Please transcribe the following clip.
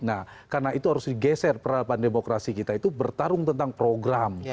nah karena itu harus digeser peradaban demokrasi kita itu bertarung tentang program